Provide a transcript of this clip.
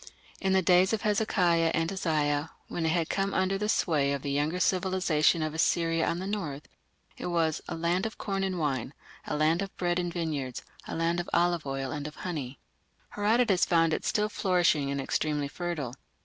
In the days of Hezekiah and Isaiah, when it had come under the sway of the younger civilization of Assyria on the north, it was "a land of corn and wine, a land of bread and vineyards, a land of oil olive and of honey". Herodotus found it still flourishing and extremely fertile.